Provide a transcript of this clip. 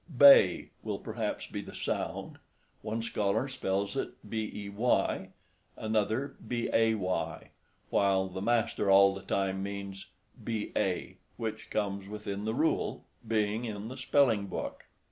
"Bay" will perhaps be the sound; one scholar spells it "bey," another, "bay," while the master all the time means "ba," which comes within the rule, being in the spelling book.